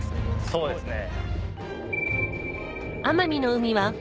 そうですね。